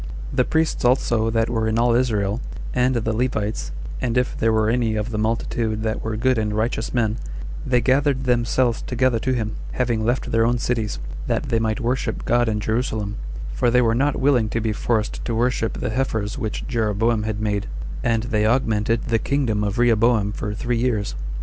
The priests also that were in all Israel, and the Levites, and if there were any of the multitude that were good and righteous men, they gathered themselves together to him, having left their own cities, that they might worship God in Jerusalem; for they were not willing to be forced to worship the heifers which Jeroboam had made; and they augmented the kingdom of Rehoboam for three years.